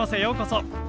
ようこそ。